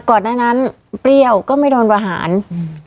ก่อนหน้านั้นเปรี้ยวก็ไม่โดนประหารอืม